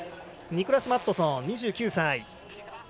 ニクラス・マットソン、２９歳。